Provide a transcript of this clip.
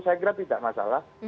saya kira tidak masalah